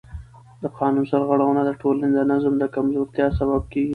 د قانون سرغړونه د ټولنې د نظم د کمزورتیا سبب کېږي